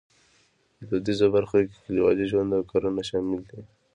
په دودیزه برخه کې کلیوالي ژوند او کرنه شامل دي.